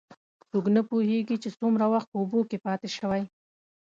څوک نه پوهېږي، چې څومره وخت په اوبو کې پاتې شوی.